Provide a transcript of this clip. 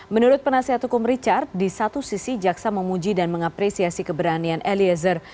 menurut penasihat hukum richard di satu sisi jaksa memuji dan mengapresiasi keberanian eliezer